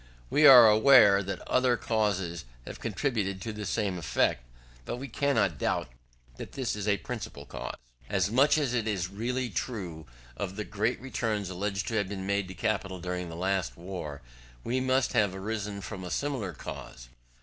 We are aware that other causes have contributed to the same effect, but we cannot doubt that this is a principal one. As much as is really true of the great returns alleged to have been made to capital during the last war, must have arisen from a similar cause.